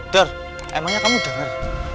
dar emangnya kamu denger